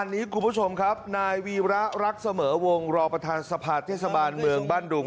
อันนี้คุณผู้ชมครับนายวีระรักเสมอวงรองประธานสภาเทศบาลเมืองบ้านดุง